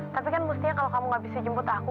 tapi kan mestinya kalau kamu gak bisa jemput aku